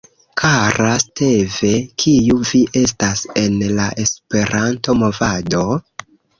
Kara Steve, kiu vi estas en la Esperanto-movado?